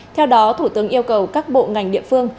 theo đó thủ tướng yêu cầu các bộ ngành địa phương